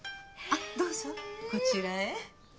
あっどうぞこちらへ。